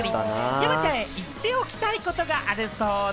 山ちゃんへ言っておきたいことがあるそうで。